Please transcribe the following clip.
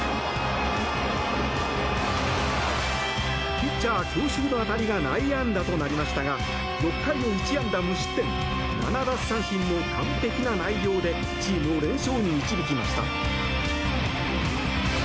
ピッチャー強襲の当たりが内野安打となりましたが６回を１安打無失点７奪三振の完璧な内容でチームを連勝に導きました。